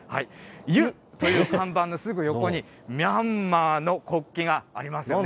ゆという看板のすぐ横に、ミャンマーの国旗がありますよね。